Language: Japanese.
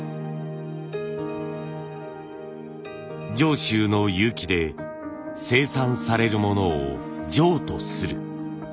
「常州の結城で生産されるものを上とする」。